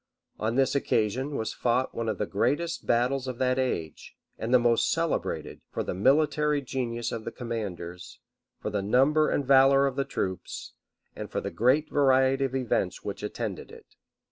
On this occasion was fought one of the greatest battles of that age; and the most celebrated, for the military genius of the commanders, for the number and valor of the troops, and for the great variety of events which attended it.